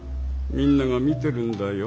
みんなが見てるんだよ。